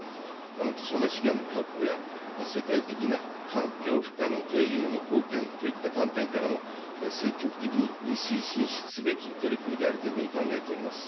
貴重な資源の確保や世界的な環境負荷の低減への貢献といった観点からも、積極的に推進すべき取り組みであるというふうに考えております。